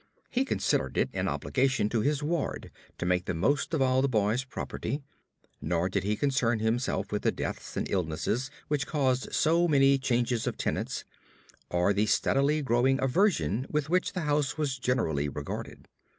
He considered it an obligation to his ward to make the most of all the boy's property, nor did he concern himself with the deaths and illnesses which caused so many changes of tenants, or the steadily growing aversion with which the house was generally regarded.